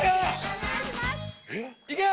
お願いします